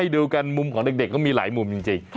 ดูกันมุมของเด็กก็มีหลายมุมจริง